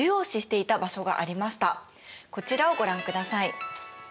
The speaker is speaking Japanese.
こちらをご覧ください。